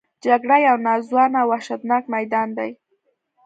جګړه یو ناځوانه او وحشتناک میدان دی